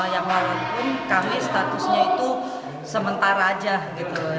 yang walaupun kami statusnya itu sementara aja gitu